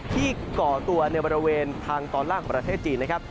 ก่อตัวในบริเวณทางตอนล่างของประเทศจีนนะครับ